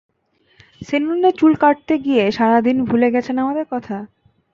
সেলুনে চুল কাটতে নিয়ে গিয়ে সারা দিন ভুলে গেছেন আমাদের কথা।